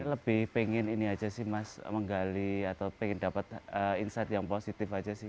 lebih pengen ini aja sih mas menggali atau pengen dapat insight yang positif aja sih